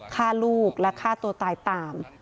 ฆ่าลูกและฆ่าตัวตายตาม